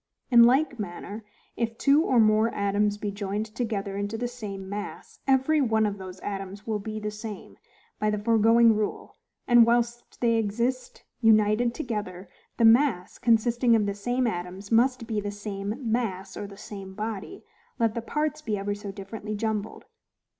In like manner, if two or more atoms be joined together into the same mass, every one of those atoms will be the same, by the foregoing rule: and whilst they exist united together, the mass, consisting of the same atoms, must be the same mass, or the same body, let the parts be ever so differently jumbled.